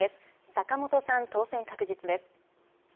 坂本さん、当選確実です。